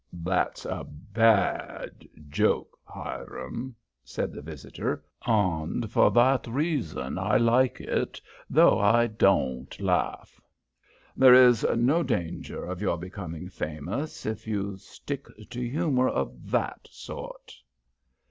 "That's a bad joke, Hiram," said the visitor, "and for that reason I like it, though I don't laugh. There is no danger of your becoming famous if you stick to humor of that sort."